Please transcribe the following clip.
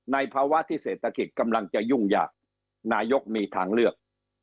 ภาวะที่เศรษฐกิจกำลังจะยุ่งยากนายกมีทางเลือก